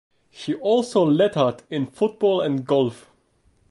He also lettered in football and golf.